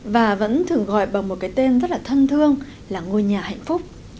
và vẫn thường gọi bằng một cái tên rất là thân thương là ngôi nhà hạnh phúc